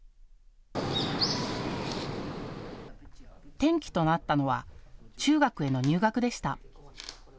転機となったのは中学への入学でした。